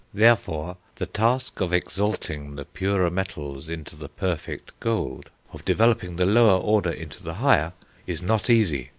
Therefore, the task of exalting the purer metals into the perfect gold, of developing the lower order into the higher, is not easy.